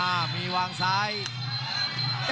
คมทุกลูกจริงครับโอ้โห